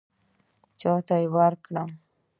چاته یې ورکړم.